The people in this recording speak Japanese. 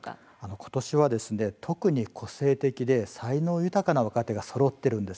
ことしは特に個性的で才能豊かな若手がそろっているんです。